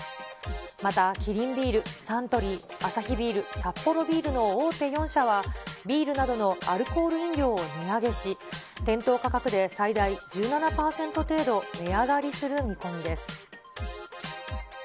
また、キリンビール、サントリー、アサヒビール、サッポロビールの大手４社は、ビールなどのアルコール飲料を値上げし、店頭価格で最大１７％程度値上がりする見込みです。